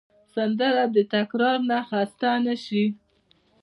سندره د تکرار نه خسته نه شي